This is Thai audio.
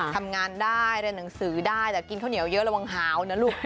ทำงานได้เรียนหนังสือได้แต่กินข้าวเหนียวเยอะระวังหาวนะลูก